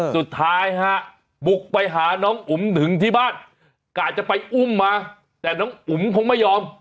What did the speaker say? สุดท้ายฮะบุกไปหาน้องอุ๋มถึงที่บ้านกะจะไปอุ้มมาแต่น้องอุ๋มคงไม่ยอม